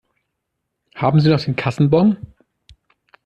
Haben Sie noch den Kassenbon?